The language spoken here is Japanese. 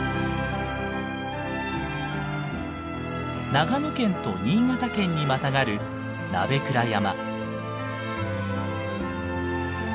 長野県と新潟県にまたがる鍋倉山。